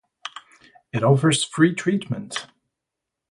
It offers free treatment.